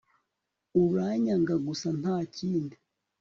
uranyanga gusa nta kindi